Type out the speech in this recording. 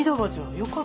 よかった。